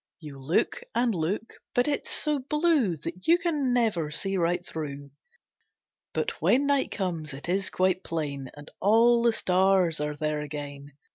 You look and look, but it's so blue That you can never see right through. But when night comes it is quite plain, And all the stars are there again.